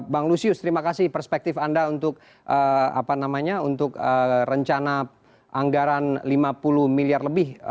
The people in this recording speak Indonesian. bang lusius terima kasih perspektif anda untuk rencana anggaran lima puluh miliar lebih